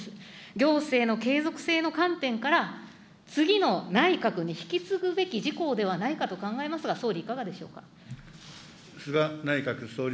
行政の継続性の観点から、次の内閣に引き継ぐべき事項ではないかと考えますが、総理、いかがでしょうか。